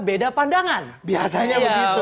beda pandangan biasanya begitu